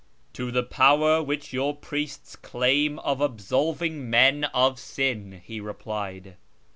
" To the power which your priests claim of absolving men of sin," he replied.